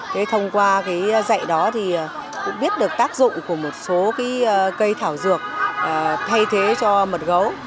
thông qua dạy đó cũng biết được tác dụng của một số cây thảo dược thay thế cho mật gấu